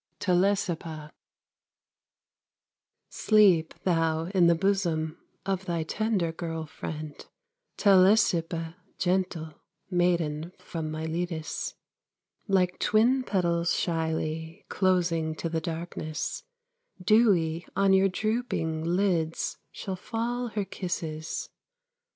TELESIPPA Sleep thou in the bosom Of thy tender girl friend, Telesippa, gentle Maiden from Miletus. Like twin petals shyly Closing to the darkness, Dewy on your drooping Lids shall fall her kisses.